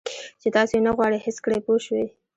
چې تاسو یې نه غواړئ حس کړئ پوه شوې!.